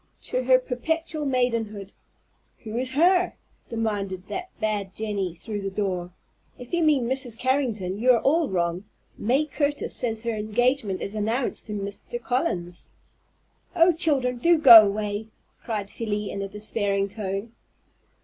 To her perpetual maidenhood " "Who is 'her'?" demanded that bad Jenny through the door. "If you mean Mrs. Carrington, you are all wrong. May Curtis says her engagement is announced to Mr. Collins." "Oh, children, do go away!" cried Felie in a despairing tone.